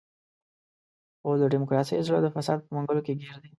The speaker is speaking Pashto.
خو د ډیموکراسۍ زړه د فساد په منګولو کې ګیر دی.